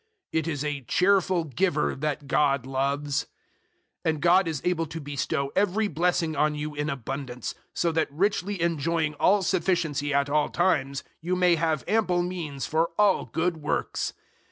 "It is a cheerful giver that God loves." 009:008 And God is able to bestow every blessing on you in abundance, so that richly enjoying all sufficiency at all times, you may have ample means for all good works.